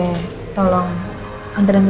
iya tolong ya nir